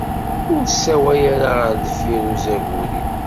Ur sawal ara ɣer deffir uzagur-iw.